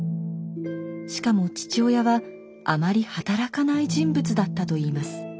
しかも父親はあまり働かない人物だったといいます。